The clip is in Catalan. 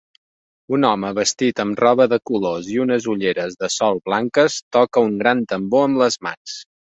Un home vestit amb roba de colors i unes ulleres de sol blanques toca un gran tambor amb les mans.